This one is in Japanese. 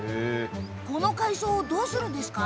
この海藻どうするんですか？